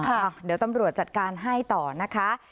เดี๋ยวตำรวจจัดการให้ต่อนะคะ